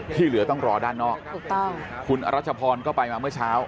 ที่เหลือต้องรอด้านนอกถูกต้องคุณอรัชพรก็ไปมาเมื่อเช้า